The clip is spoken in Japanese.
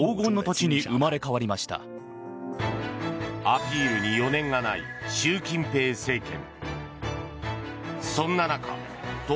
アピールに余念がない習近平政権。